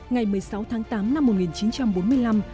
ngày một mươi sáu tháng tám năm một nghìn chín trăm bốn mươi năm